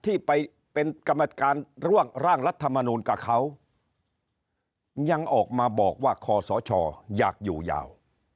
ที่ไปเป็นกรรมการร่วมร่างรัฐมนูลกับเขายังออกมาบอกว่าคอสชอยากอยู่ยาว